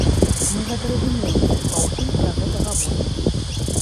Мы гэта разумеем і паўсюль пра гэта гаворым.